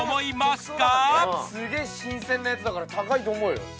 すげぇ新鮮なやつだから高いと思うよ。